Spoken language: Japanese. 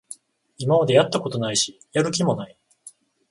今までやったことないし、やる気もない